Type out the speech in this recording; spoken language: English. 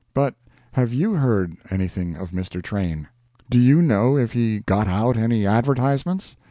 But have you heard anything of Mr. Train? Do you know if he got out any advertisements?